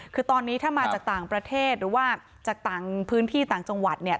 คือตอนนี้ถ้ามาจากต่างประเทศหรือว่าจากต่างพื้นที่ต่างจังหวัดเนี่ย